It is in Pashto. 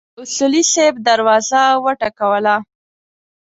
اصولي صیب دروازه وټکوله.